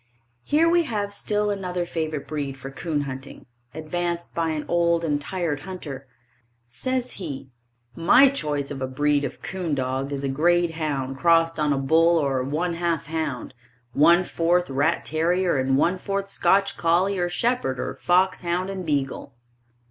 Here we have still another favorite breed for 'coon hunting, advanced by an old and tried hunter. Says he: My choice of a breed of coon dog is a grade hound crossed on a bull or one half hound, one fourth rat terrier and one fourth Scotch collie or shepherd or fox hound and beagle.